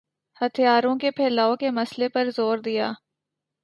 ہتھیاروں کے پھیلاؤ کے مسئلے پر زور دیا